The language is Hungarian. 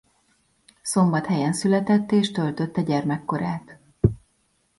Szombathelyen született és töltötte gyermekkorát.